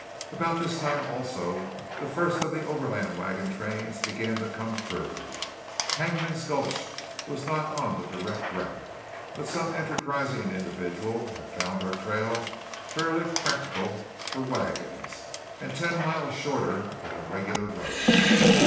About this time, also, the first of the overland wagon trains began to come through. Hangman's Gulch was not on the direct route; but some enterprising individual had found our trail fairly practicable for wagons and ten miles shorter than the regular road.